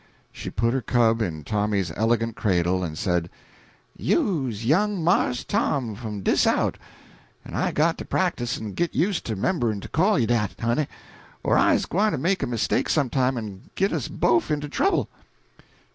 She put her cub in Tommy's elegant cradle and said "You's young Marse Tom fum dis out, en I got to practise and git used to 'memberin' to call you dat, honey, or I's gwine to make a mistake some time en git us bofe into trouble.